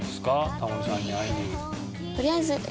タモリさんに会える。